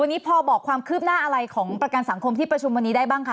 วันนี้พอบอกความคืบหน้าอะไรของประกันสังคมที่ประชุมวันนี้ได้บ้างคะ